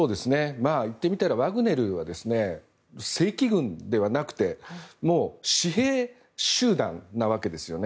言ってみたらワグネルは正規軍ではなくて私兵集団なわけですよね。